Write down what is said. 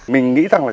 mình nghĩ rằng là